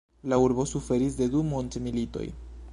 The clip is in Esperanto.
La urbo suferis de du mondmilitoj.